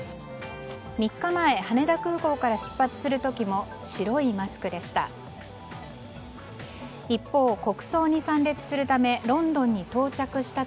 ３日前、羽田空港から出発する時も白いマスクでした。